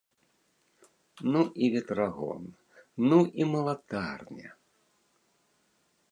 Ну і ветрагон, ну і малатарня!